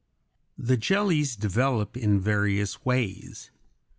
] The jellies develop in various ways.